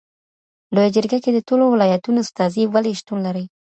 لویه جرګه کي د ټولو ولایتونو استازي ولي شتون لري؟